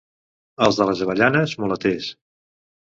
Els de les Avellanes, mulaters.